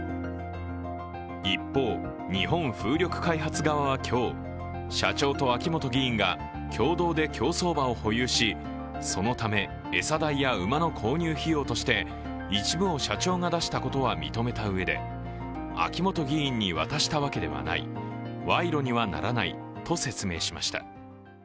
一方、日本風力開発側は今日、社長と秋本議員が共同で競走馬を保有しそのため、餌代や馬の購入費用として一部を社長が出したことは認めたうえで秋本議員に渡したわけではない賄賂にはならないと説明しました。